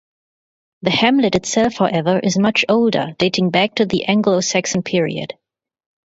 The hamlet itself however, is much older, dating back to the Anglo-Saxon period.